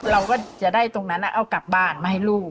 เราก็จะได้ตรงนั้นเอากลับบ้านมาให้ลูก